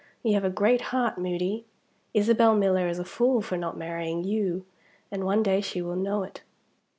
"You have a great heart, Moody. Isabel Miller is a fool for not marrying you and one day she will know it!"